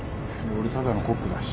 俺ただのコックだし。